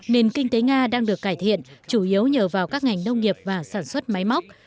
nền kinh tế nga đang được cải thiện chủ yếu nhờ vào các ngành nông nghiệp và sản xuất máy móc